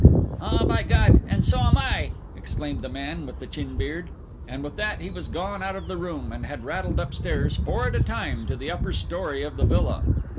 'Ah, by God, and so am I!' exclaimed the man with the chin beard; and with that he was gone out of the room, and had rattled upstairs, four at a time, to the upper story of the villa.